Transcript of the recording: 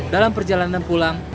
dalam perjalanan pulang